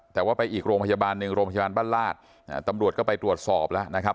แต่ว่าไปอีกโรงพยาบาลหนึ่งโรงพยาบาลบ้านลาดตำรวจก็ไปตรวจสอบแล้วนะครับ